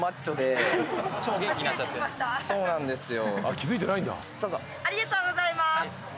そうなんですよ。